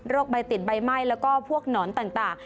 ใบติดใบไหม้แล้วก็พวกหนอนต่าง